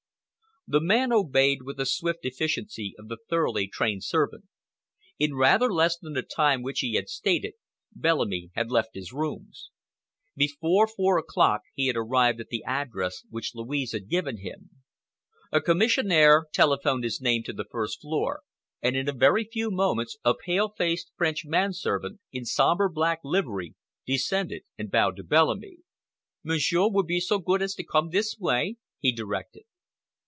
The man obeyed with the swift efficiency of the thoroughly trained servant. In rather less than the time which he had stated, Bellamy had left his rooms. Before four o'clock he had arrived at the address which Louise had given him. A commissionaire telephoned his name to the first floor, and in a very few moments a pale faced French man servant, in sombre black livery, descended and bowed to Bellamy. "Monsieur will be so good as to come this way," he directed.